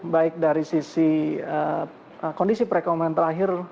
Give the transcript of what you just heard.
baik dari sisi kondisi perekonomian terakhir